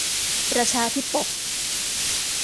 ประชาธิปก